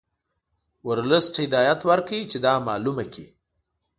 ورلسټ هدایت ورکړ چې دا معلومه کړي.